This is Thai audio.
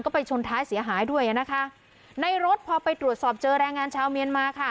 ไปชนท้ายเสียหายด้วยอ่ะนะคะในรถพอไปตรวจสอบเจอแรงงานชาวเมียนมาค่ะ